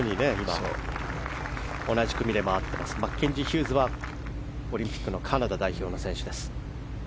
マッケンジー・ヒューズはオリンピックのカナダ代表選手。